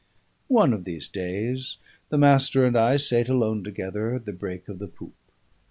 One of these days the Master and I sate alone together at the break of the poop.